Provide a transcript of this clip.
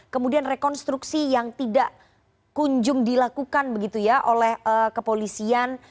kemudian rekonstruksi yang tidak kunjung dilakukan begitu ya oleh kepolisian